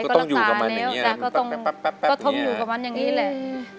ก็ต้องอยู่กับมันอย่างนี้แหละ